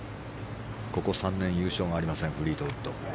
ここ３年、優勝がありませんフリートウッド。